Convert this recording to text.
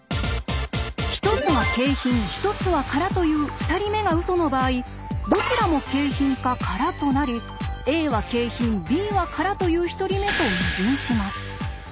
１つは景品１つは空という２人目がウソの場合「どちらも景品」か「空」となり「Ａは景品Ｂは空」という１人目と矛盾します。